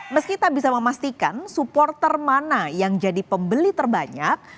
meski tak bisa memastikan supporter mana yang jadi pembeli terbanyak